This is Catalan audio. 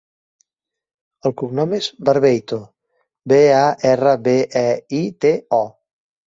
El cognom és Barbeito: be, a, erra, be, e, i, te, o.